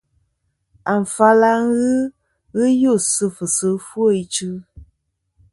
Afal a ghɨ ghɨ us sɨ fɨsi ɨfwo ichɨ.